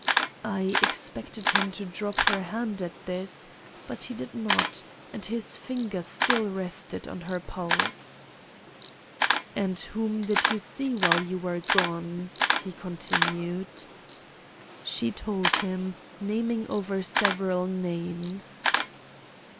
"I expected him to drop her hand at this, but he did not; and his finger still rested on her pulse. "'And whom did you see while you were gone?' he continued. "She told him, naming over several names.